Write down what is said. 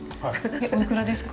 おいくらですか？